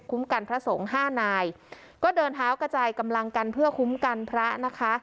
กันพระสงฆ์ห้านายก็เดินเท้ากระจายกำลังกันเพื่อคุ้มกันพระนะคะ